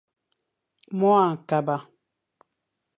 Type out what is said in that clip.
Mon a kaba.